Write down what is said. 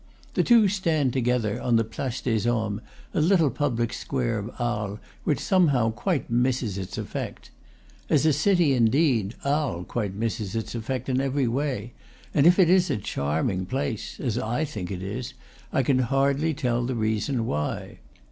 The two stand together on the Place des Hommes, a little public square of Arles, which somehow quite misses its effect. As a city, indeed, Arles quite misses its effect in every way; and if it is a charming place, as I think it is, I can hardly tell the reason why.